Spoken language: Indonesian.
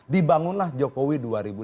dibangunlah jokowi dua ribu lima belas